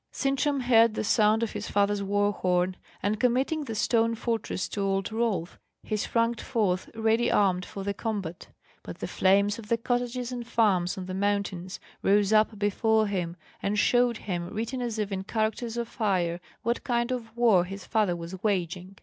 Sintram heard the sound of his father's war horn; and committing the stone fortress to old Rolf, he sprang forth ready armed for the combat. But the flames of the cottages and farms on the mountains rose up before him, and showed him, written as if in characters of fire, what kind of war his father was waging.